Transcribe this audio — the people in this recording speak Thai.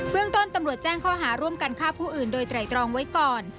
เรื่องต้นตำรวจแจ้งข้อหาร่วมกันฆ่าผู้อื่นโดยไตรตรองไว้ก่อน